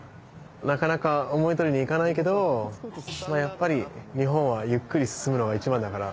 なかなか思い通りにいかないけどやっぱり日本はゆっくり進むのが一番だから。